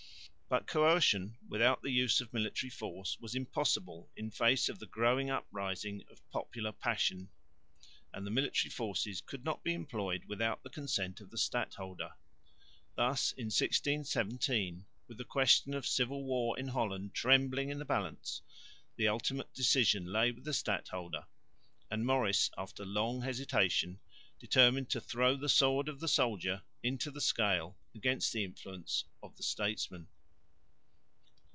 But coercion without the use of the military force was impossible in face of the growing uprising of popular passion; and the military forces could not be employed without the consent of the stadholder. Thus in 1617, with the question of civil war in Holland trembling in the balance, the ultimate decision lay with the stadholder; and Maurice after long hesitation determined to throw the sword of the soldier into the scale against the influence of the statesman.